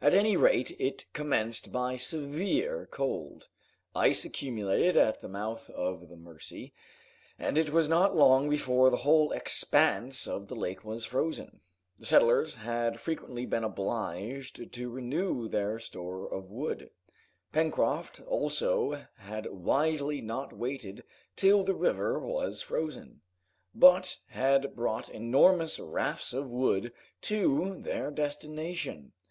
At any rate it commenced by very severe cold. Ice accumulated at the mouth of the Mercy, and it was not long before the whole expanse of the lake was frozen. The settlers had frequently been obliged to renew their store of wood. Pencroft also had wisely not waited till the river was frozen, but had brought enormous rafts of wood to their destination.